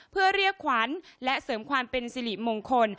เพื่อเรียกขวัญและเสริมความเป็นสิริมงคล